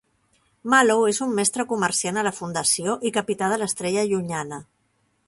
Mallow és un mestre comerciant a la Fundació i capità del "Estrella Llunyana".